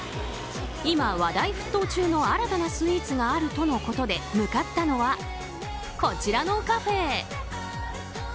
今、話題沸騰中の新たなスイーツがあるとのことで向かったのは、こちらのカフェ。